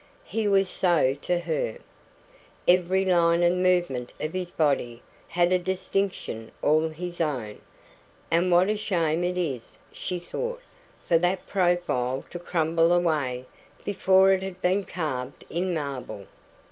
He was so to her. Every line and movement of his body had a distinction all his own, and "What a shame it is," she thought, "for that profile to crumble away before it has been carved in marble."